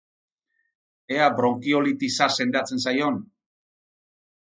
Ea bronkiolitisa sendatzen zaion!